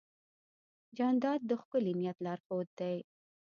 جانداد د ښکلي نیت لارښود دی.